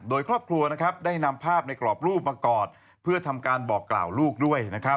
โดยครอบครัวได้นำภาพในกรอบรูปมากอดเพื่อทำการบอกกล่าวลูกด้วย